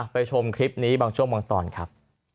ชมคลิปนี้บางช่วงบางตอนครับ